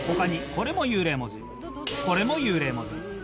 これも幽霊文字。